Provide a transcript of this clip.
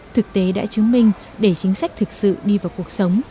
thực tế đã chứng minh để chính sách thực sự đi vào cuộc sống